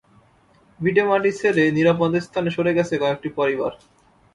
ভিটেমাটি ছেড়ে নিরাপদ স্থানে সরে গেছে কয়েকটি পরিবার।